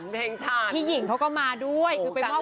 เพ่งชันเพ่งชาญ